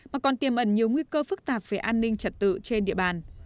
mà còn tiềm ẩn nhiều nguy cơ phức tạp về an ninh trật tự trên địa bàn